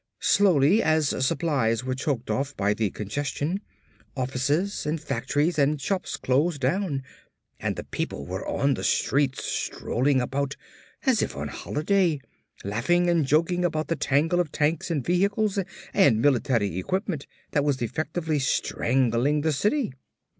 Slowly, as supplies were choked off by the congestion, offices and factories and shops closed down and the people were on the streets strolling about as if on holiday, laughing and joking about the tangle of tanks and vehicles and military equipment that was effectively strangling the city.